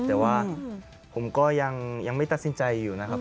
แต่ว่าผมก็ยังไม่ตัดสินใจอยู่นะครับ